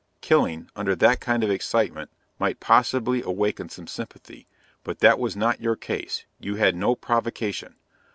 Killing, under that kind of excitement, might possibly awaken some sympathy, but that was not your case; you had no provocation.